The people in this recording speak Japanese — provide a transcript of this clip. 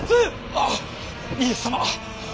あっ家康様！